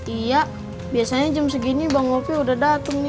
iya biasanya jam segini bang gopi udah dateng